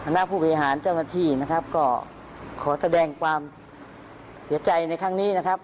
หน้าผู้บริหารเจ้าหน้าที่นะครับก็ขอแสดงความเสียใจในครั้งนี้นะครับ